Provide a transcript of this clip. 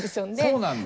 そうなんだ？